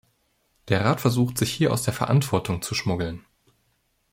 Der Rat versucht, sich hier aus der Verantwortung zu schmuggeln.